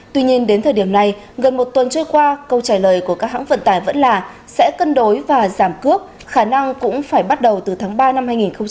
tuy nhiên đến thời điểm này gần một tuần trôi qua câu trả lời của các hãng vận tải vẫn là sẽ cân đối và giảm cướp khả năng cũng phải bắt đầu từ tháng ba năm hai nghìn hai mươi